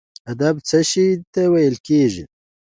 ادب څه شي ته ویل کیږي؟